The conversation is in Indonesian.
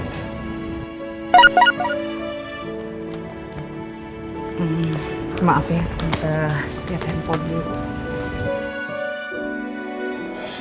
maaf ya minta lihat handphone dulu